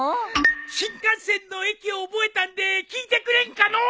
新幹線の駅を覚えたんで聞いてくれんかのう！